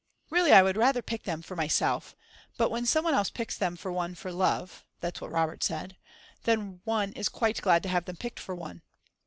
Really I would rather pick them for myself, but when some one else picks them for one for love (that's what Robert said) then one is quite glad to have them picked for one.